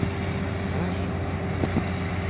Mqeṛṛacen cclaɣem.